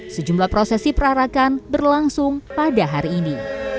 sejumlah prosesi perarakan berlangsung pada hari ini